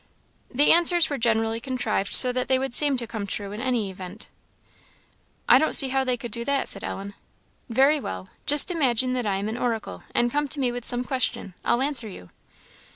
"The answers were generally contrived so that they would seem to come true in any event." "I don't see how they could do that," said Ellen. "Very well just imagine that I am an oracle, and come to me with some question; I'll answer you."